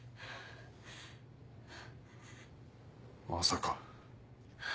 まさか。